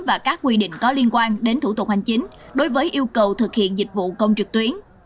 và các quy định có liên quan đến thủ tục hành chính đối với yêu cầu thực hiện dịch vụ công trực tuyến